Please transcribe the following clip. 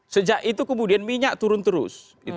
sejak itu kemudian minyak turun terus